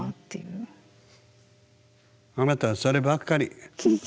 あなたはそればっかり。